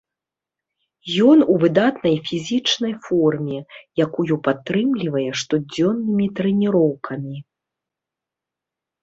Ён у выдатнай фізічнай форме, якую падтрымлівае штодзённымі трэніроўкамі.